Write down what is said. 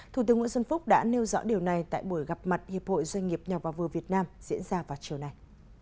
thủ tướng nguyễn xuân phúc đã nêu rõ điều này tại buổi gặp mặt hiệp hội doanh nghiệp nhỏ và vừa việt nam diễn ra vào chiều nay